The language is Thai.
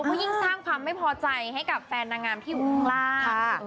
เพราะยิ่งสร้างความไม่พอใจให้กับแฟนนางงามที่วงล่า